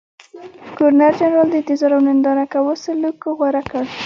ګورنرجنرال د انتظار او ننداره کوه سلوک غوره کړ.